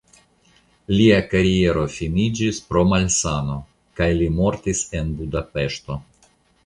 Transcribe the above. Lia kariero finiĝis pro malsano kaj li mortis en Budapeŝto.